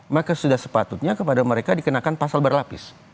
maka sudah sepatutnya kepada mereka dikenakan pasal berlapis